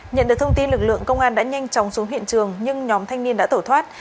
nhận được thông tin lực lượng công an đã nhanh chóng xuống hiện trường nhưng nhóm thanh niên đã tổ thoát